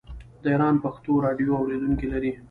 د ایران پښتو راډیو اوریدونکي لري.